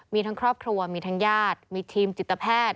มีทั้งครอบครัวมีทั้งญาติมีทีมจิตแพทย์